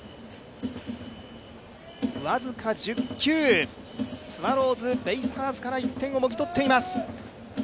僅か１０球、スワローズ、ベイスターズから１点をもぎ取っています。